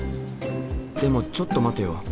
でもちょっと待てよ。